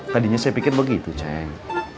tadinya saya pikir begitu ceng